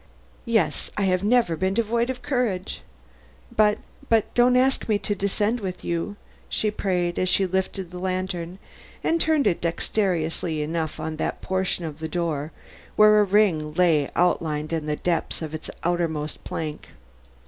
"Yes; I have never been devoid of courage. But but don't ask me to descend with you," she prayed, as she lifted the lantern and turned it dexterously enough on that portion of the door where a ring lay outlined in the depths of its outermost plank.